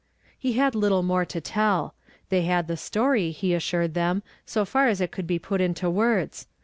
He had little more to tell. They had the story, he assured them, so far as it could be put into words.